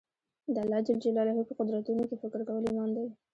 د الله جل جلاله په قدرتونو کښي فکر کول ایمان دئ.